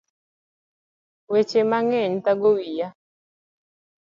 Weche mang'eny thago wiya